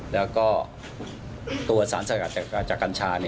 แล้วก็ตัวสารสกัดจากกัญชา